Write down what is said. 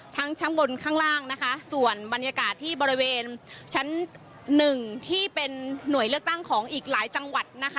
ทั้งชั้นบนข้างล่างนะคะส่วนบรรยากาศที่บริเวณชั้นหนึ่งที่เป็นหน่วยเลือกตั้งของอีกหลายจังหวัดนะคะ